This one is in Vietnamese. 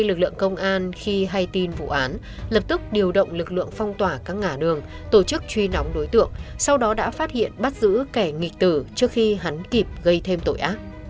lực lượng công an khi hay tin vụ án lập tức điều động lực lượng phong tỏa các ngã đường tổ chức truy nóng đối tượng sau đó đã phát hiện bắt giữ kẻ nghịch tử trước khi hắn kịp gây thêm tội ác